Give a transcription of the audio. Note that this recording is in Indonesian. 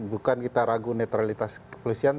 bukan kita ragu netralitas kepolisian